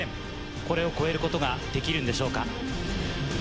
これを超えることができるんでしょうか？